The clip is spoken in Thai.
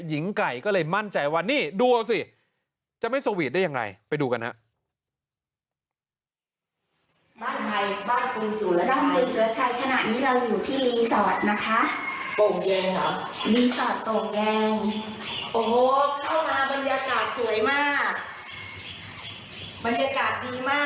หญิงไก่ก็เลยมั่นใจว่านี่ดูเอาสิจะไม่สวีทได้ยังไงไปดูกันฮะ